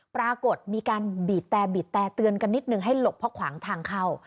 ปรากฏมีการบีบแต่บีบแต่เตือนกันนิดนึงให้หลบเพราะขวางทางเข้า